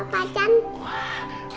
baik pak can